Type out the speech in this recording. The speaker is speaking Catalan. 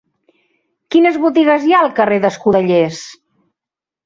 Quines botigues hi ha al carrer d'Escudellers?